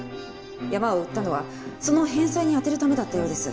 山を売ったのはその返済に充てるためだったようです。